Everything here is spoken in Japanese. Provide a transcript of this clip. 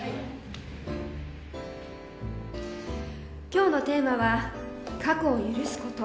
今日のテーマは「過去を許すこと」